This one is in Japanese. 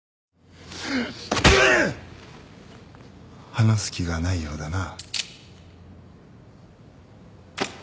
話す気がないようだな？